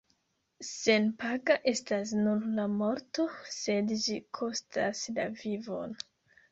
Senpaga estas nur la morto, sed ĝi kostas la vivon.